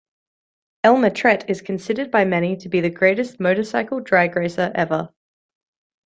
Elmer Trett is considered by many to be the greatest motorcycle drag racer ever.